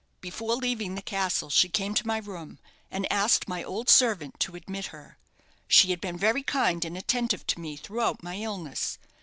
Before leaving the castle she came to my room, and asked my old servant to admit her. She had been very kind and attentive to me throughout my illness.